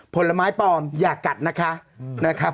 ผลไม้ปลอมอย่ากัดนะคะ